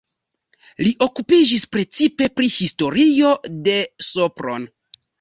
Li okupiĝis precipe pri historio de Sopron.